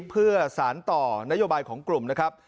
เพื่อสารต่อนโยบายของกลุ่มนะครับ